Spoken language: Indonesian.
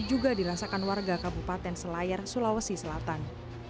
juga dirasakan warga kabupaten selayar sulawesi selatan